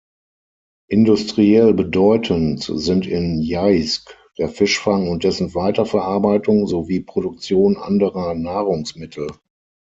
Industriell bedeutend sind in Jeisk der Fischfang und dessen Weiterverarbeitung sowie Produktion anderer Nahrungsmittel.